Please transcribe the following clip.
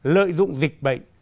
lợi dụng dịch bệnh